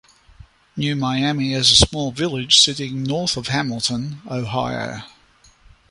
New Miami is a small village sitting north of Hamilton, Ohio.